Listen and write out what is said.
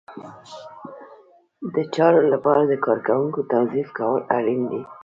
د چارو لپاره د کارکوونکو توظیف کول اړین دي.